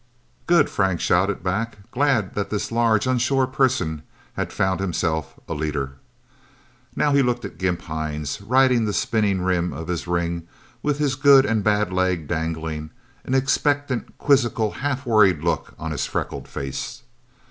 "Good!" Frank shouted back, glad that this large, unsure person had found himself a leader. Now he looked at Gimp Hines, riding the spinning rim of his ring with his good and bad leg dangling, an expectant, quizzical, half worried look on his freckled face.